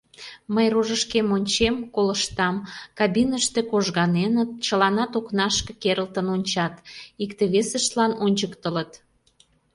Мый рожышкем ончем, колыштам — кабиныште кожганеныт, чыланат окнашке керылтын ончат, икте-весыштлан ончыктылыт.